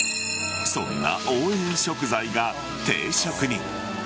そんな応援食材が定食に。